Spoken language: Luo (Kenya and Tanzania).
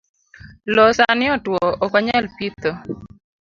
Loo sani otuo ok wanyal pitho